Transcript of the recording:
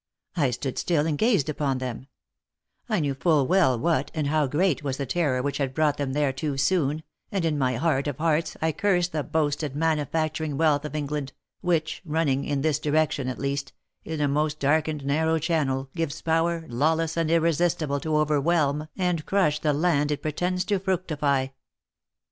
I stood still and gazed upon them — I knew full well what, and how great was the terror which had brought them there too soon, and in my heart of hearts I cursed the boasted manufacturing wealth of England, which running, in this direction at least, in a most darkened narrow channel, gives power, lawless and irresistible to overwhelm and crush the land it pretends to fructify.